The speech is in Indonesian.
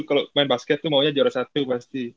kalau main basket itu maunya juara satu pasti